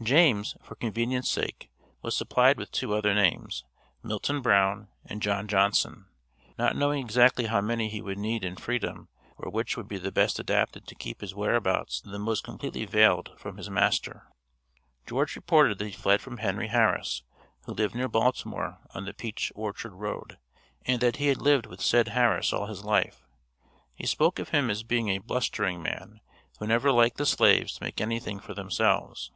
James, for convenience' sake, was supplied with two other names (Milton Brown and John Johnson), not knowing exactly how many he would need in freedom or which would be the best adapted to keep his whereabouts the most completely veiled from his master. George reported that he fled from Henry Harris, who lived near Baltimore on the Peach Orchard Road, and that he had lived with said Harris all his life. He spoke of him as being a "blustering man, who never liked the slaves to make anything for themselves."